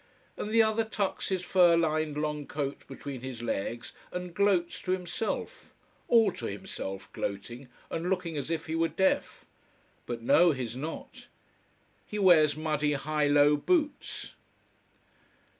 And the other tucks his fur lined long coat between his legs and gloats to himself: all to himself gloating, and looking as if he were deaf. But no, he's not. He wears muddy high low boots.